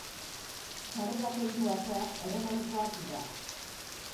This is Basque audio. Sarrerako hiru ateak erromanikoak dira.